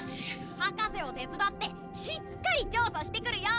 博士を手伝ってしっかり調査してくるよ。